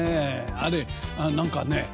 あれ何かね